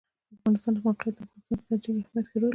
د افغانستان د موقعیت د افغانستان په ستراتیژیک اهمیت کې رول لري.